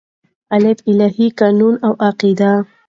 الف : الهی قوانین او قواعد